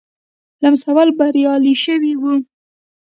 لمسولو بریالی شوی وو.